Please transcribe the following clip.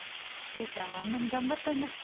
知恵ちゃんはあんなに頑張ったんだし。